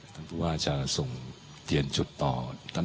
ท่านผู้ว่าจะทีนอกจุดตอน